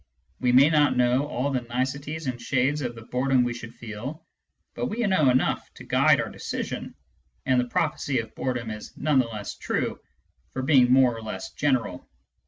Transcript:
We may not know all the niceties and shades of the boredom we should feel, but we know enough to guide our decision, and the prophecy of bore dom is none the less true for being more or less general.